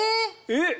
えっ！